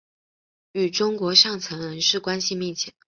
与中国上层人士关系密切。